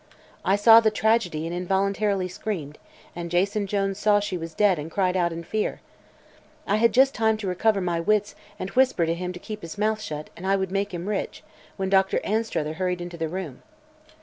I saw the tragedy and involuntarily screamed, and Jason Jones saw she was dead and cried out in fear. I had just time to recover my wits and whisper to him to keep his mouth shut and I would make him rich when Doctor Anstruther hurried into the room.